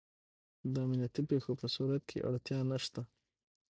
د امنیتي پېښو په صورت کې اړتیا نشته.